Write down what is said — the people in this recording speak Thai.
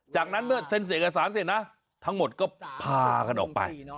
จากนั้นเมื่อเซ็นเอกสารเสร็จนะทั้งหมดก็พากันออกไป